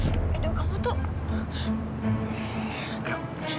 aduh kamu tuh